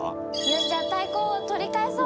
じゃあ太鼓を取り返そう！